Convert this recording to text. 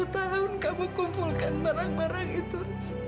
dua tahun kamu kumpulkan barang barang itu